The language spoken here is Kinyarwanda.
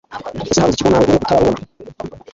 Ese habuze iki ngo nawe ube utararubona